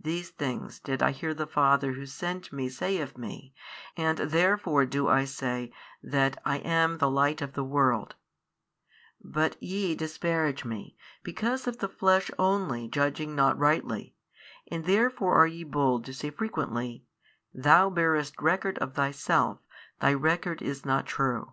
These things did I hear the Father Who sent Me say of Me, and therefore do I say that I am the Light of the world, but YE disparaged Me, because of the Flesh only judging not rightly, and therefore are ye bold to say frequently, THOU bearest record of Thyself, Thy record is not true.